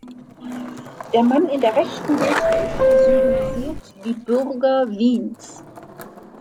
Der Mann in der rechten Bildhälfte symbolisiert die Bürger Wiens.